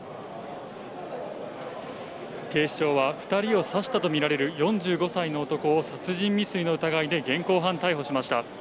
警視庁は、２人を刺したと見られる４５歳の男を殺人未遂の疑いで現行犯逮捕しました。